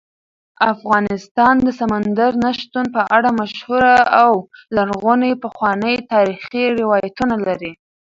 افغانستان د سمندر نه شتون په اړه مشهور او لرغوني پخواني تاریخی روایتونه لري.